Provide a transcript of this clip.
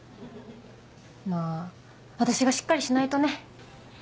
まぁ私がしっかりしないとね。